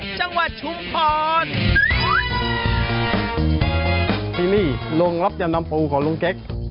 จังหวัดชุมภรทีนี้โรงรับจำนำปูของลุงเชค